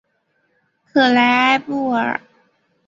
克莱埃布尔。